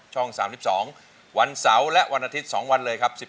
๓๒วันเสาร์และวันอาทิตย์๒วันเลยครับ